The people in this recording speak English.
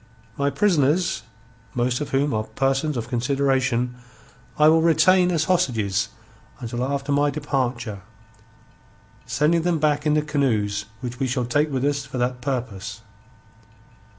My prisoners, most of whom are persons of consideration, I will retain as hostages until after my departure, sending them back in the canoes which we shall take with us for that purpose.